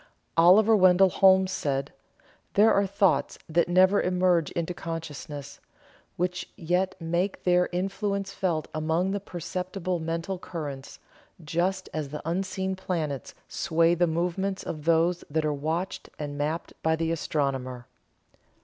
Oliver Wendall Holmes said: "There are thoughts that never emerge into consciousness, which yet make their influence felt among the perceptible mental currents, just as the unseen planets sway the movements of those that are watched and mapped by the astronomer."